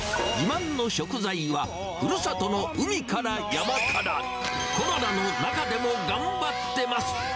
自慢の食材は、ふるさとの海から山から、コロナの中でも頑張ってます。